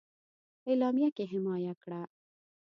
اعلامیه کې حمایه کړه.